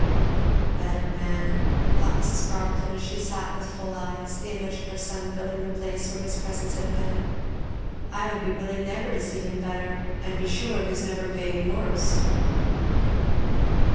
"'A better man!'" thought Mrs. Carleton, as she sat with full eyes, the image of her son filling the place where his presence had been; "I would be willing never to see him better and be sure of his never being worse!"